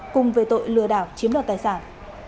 cùng về tội lừa đảo chiếm đoạt tài sản